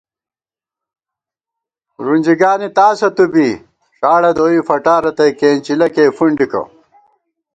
رُنجیگانی تاسہ تُو بی ݭاڑہ دوئی فٹا رتئ کېنچِلہ کېئی فُنڈِکہ